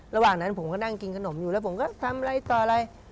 ระหว่างนั้นผมก็นั่งกินขนมอยู่แล้วผมก็ทำอะไรต่ออะไร